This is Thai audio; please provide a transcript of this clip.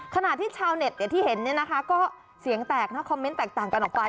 ขณะที่ชาวเน็ตที่เห็นก็เสียงแตกนะคอมเมนต์แตกต่างกันออกไป